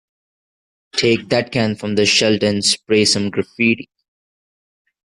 Take that can from the shelter and spray some graffiti.